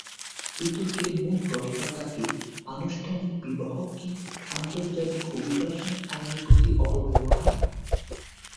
বিতর্কের মূল প্রশ্ন থাকে আনুষ্ঠানিক বিবাহ কি আন্তর্জাতিক অভিবাসন আইনের প্রতি অপব্যবহার?